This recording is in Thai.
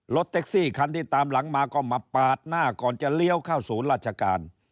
แท็กซี่คันที่ตามหลังมาก็มาปาดหน้าก่อนจะเลี้ยวเข้าศูนย์ราชการ